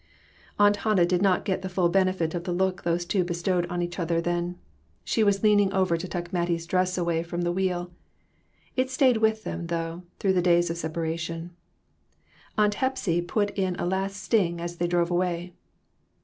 Aunt Hannah did not get the full benefit of the look those two bestowed on each other then. She was leaning over to tuck Mattie's dress away from the wheel. It stayed with them, though, through the days of separation. Aunt Hepsy put in a last sting as they drove away.